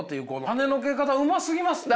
はねのけ方うますぎますって。